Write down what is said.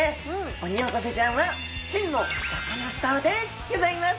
オニオコゼちゃんは真のサカナスターでギョざいます。